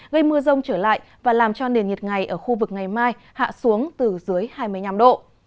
gây mưa rông trở lại và làm cho nền nhiệt ngày ở khu vực ngày mai hạ xuống từ dưới hai mươi năm độ